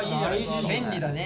便利だね。